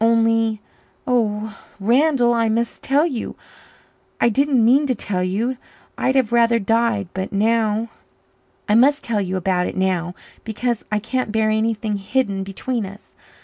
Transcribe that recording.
"Only oh, Randall I must tell you I didn't mean to tell you I'd have rather died but now I must tell you about it now because I can't bear anything hidden between us.